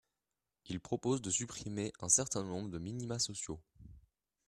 Il propose de supprimer un certain nombre de minima sociaux.